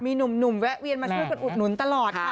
มีหนุ่มแวะเวียนมาช่วยกันอุดหนุนตลอดค่ะ